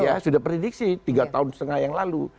ya sudah prediksi tiga tahun setengah yang lalu